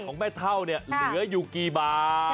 แม่เท่าเนี่ยเหลืออยู่กี่บาท